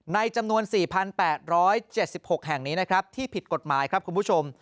ในจำนวน๔๘๗๖แห่งนี้นะครับที่ผิดกฎหมายครับคุณผู้ชม